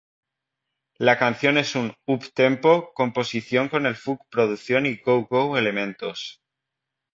La canción es un up-tempo composición con el funk producción y go-go elementos.